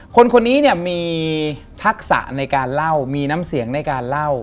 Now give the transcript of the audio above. คนคนนี้เนี่ยมีทักษะในการเล่ามีน้ำเสียงในการเล่า